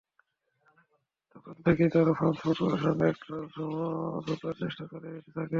তখন থেকেই তারা ফ্রান্স ফুটবলের সঙ্গে একটা সমঝোতার চেষ্টা চালিয়ে যেতে থাকে।